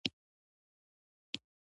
د غړکی شلومبی خوندوری وی.